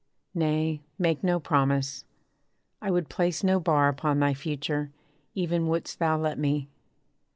Nay, make no promise. I would place no bar Upon thy future, even wouldst thou let me.